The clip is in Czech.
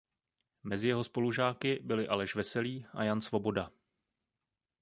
Mezi jeho spolužáky byli Aleš Veselý a Jan Svoboda.